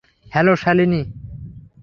Hello, Shalini.